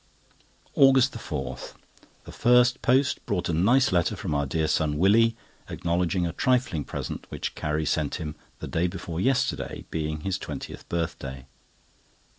AUGUST 4.—The first post brought a nice letter from our dear son Willie, acknowledging a trifling present which Carrie sent him, the day before yesterday being his twentieth birthday.